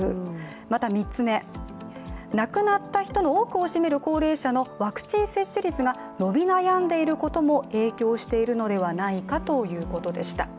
また３つ目、亡くなった人の多くを占める高齢者のワクチン接種率が伸び悩んでいることも影響しているのではないかということでした。